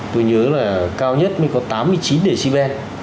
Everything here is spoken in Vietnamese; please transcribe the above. tôi nhớ là cao nhất mới có tám mươi chín db